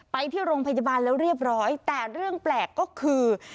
ไปที่โรงพยาบาลแล้วเรียบร้อยแต่เรื่องแปลกก็คือ